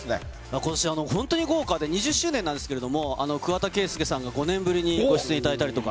ことし本当に豪華で、２０周年なんですけれども、桑田佳祐さんが５年ぶりにご出演いただいたりとか。